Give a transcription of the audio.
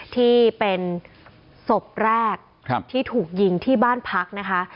ที่เป็นศพแรกที่ถูกยิงที่บ้านพักนะคะ